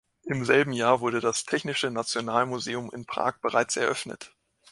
Im selben Jahr wurde das Technische Nationalmuseum in Prag bereits eröffnet.